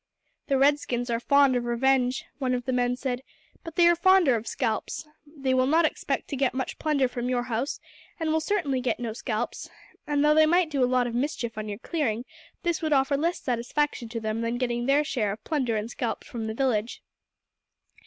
"The red skins are fond of revenge," one of the men said, "but they are fonder of scalps. They will not expect to get much plunder from your house, and will certainly get no scalps; and though they might do a lot of mischief on your clearing, this would offer less satisfaction to them than getting their share of the plunder and scalps from the village."